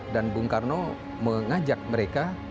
dan bung karno mengajak mereka